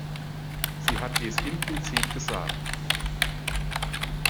Sie hat es implizit gesagt.